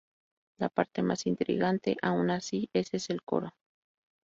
La parte más intrigante, aun así, ese el coro.